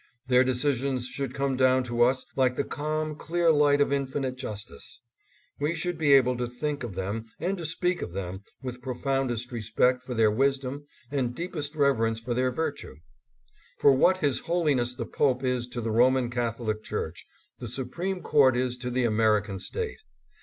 Their decisions should come down to us like the calm, clear light of infinite justice. We should be able to think of them and to speak of them with profoundest respect for their wisdom and deepest reverence for their virtue ; for what his Holiness the Pope is to the Roman Catholic Church, the Supreme Court is to the American state.